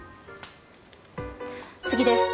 次です。